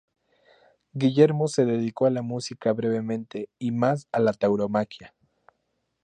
Guillermo se dedicó a la música brevemente, y más a la tauromaquia.